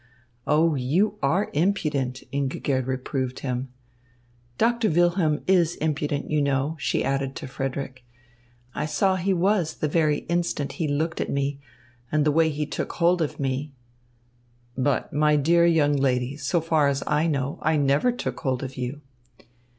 "Oh, you are impudent," Ingigerd reproved him. "Doctor Wilhelm is impudent, you know," she added to Frederick. "I saw he was the very instant he looked at me and the way he took hold of me." "But, my dear young lady, so far as I know, I never took hold of you."